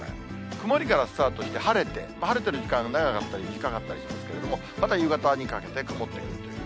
曇りからスタートして、晴れて、晴れてる時間が長かったり、短かったりしますけど、また夕方にかけて、曇ってくるという。